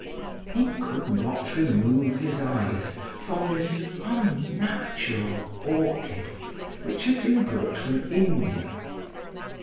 He could not remove his eyes from this unnatural orchid which had been brought from India.